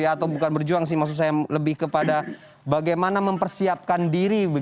atau bukan berjuang sih maksud saya lebih kepada bagaimana mempersiapkan diri